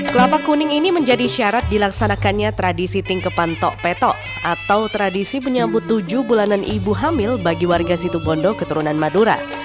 kelapa kuning ini menjadi syarat dilaksanakannya tradisi tingkepan tokpeto atau tradisi menyambut tujuh bulanan ibu hamil bagi warga situbondo keturunan madura